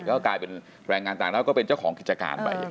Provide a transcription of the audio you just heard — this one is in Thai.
ก็กลายเป็นแรงงานต่างด้าวก็เป็นเจ้าของกิจการไป